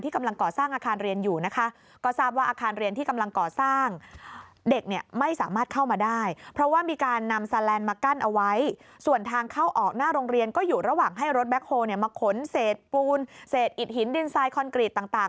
ที่กำลังก่อสร้างอาคารเรียนอยู่นะคะ